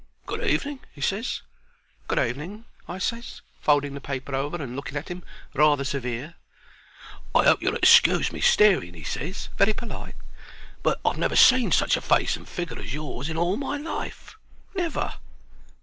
"Good evening," he ses. "Good evening," I ses, folding the paper over and looking at 'im rather severe. "I hope you'll excuse me staring," he ses, very perlite; "but I've never seen such a face and figger as yours in all my life never."